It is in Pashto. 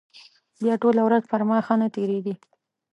بیا ټوله ورځ پر ما ښه نه تېرېږي.